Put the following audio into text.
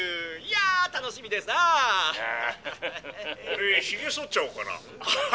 「俺ヒゲそっちゃおうかな」。